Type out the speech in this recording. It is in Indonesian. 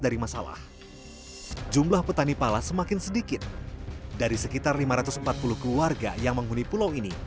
dari masalah jumlah petani pala semakin sedikit dari sekitar lima ratus empat puluh keluarga yang menghuni pulau ini